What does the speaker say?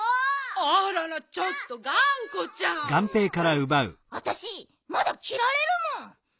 あららちょっとがんこちゃん！あたしまだきられるもん！